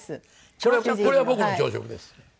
これは僕の朝食です。